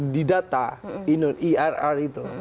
di data irr itu